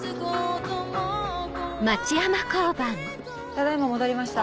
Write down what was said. ただ今戻りました。